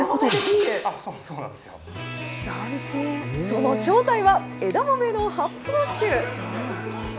その正体は、枝豆の発泡酒。